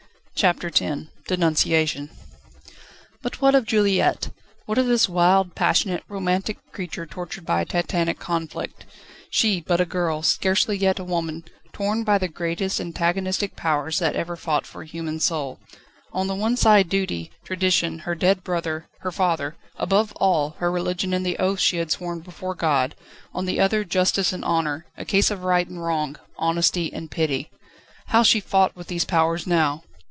CHAPTER X Denunciation. But what of Juliette? What of this wild, passionate, romantic creature tortured by a Titanic conflict? She, but a girl, scarcely yet a woman, torn by the greatest antagonistic powers that ever fought for a human soul. On the one side duty, tradition, her dead brother, her father above all, her religion and the oath she had sworn before God; on the other justice and honour, a case of right and wrong, honesty and pity. How she fought with these powers now!